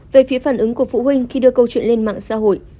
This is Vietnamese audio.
về phía phản ứng của phụ huynh khi đưa câu chuyện lên mạng xã hội